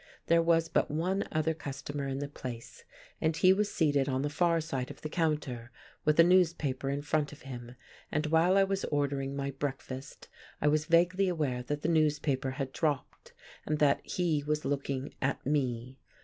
There was but one other customer in the place, and he was seated on the far side of the counter, with a newspaper in front of him; and while I was ordering my breakfast I was vaguely aware that the newspaper had dropped, and that he was looking at me.